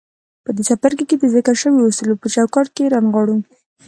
په دې څپرکي کې د ذکر شويو اصولو په چوکاټ کې يې رانغاړو.